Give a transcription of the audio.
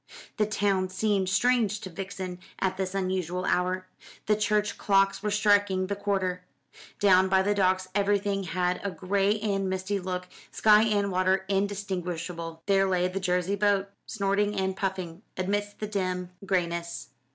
The town seemed strange to Vixen at this unusual hour. The church clocks were striking the quarter. Down by the docks everything had a gray and misty look, sky and water indistinguishable. There lay the Jersey boat, snorting and puffing, amidst the dim grayness.